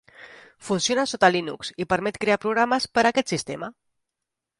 Funciona sota Linux i permet crear programes per aquest sistema.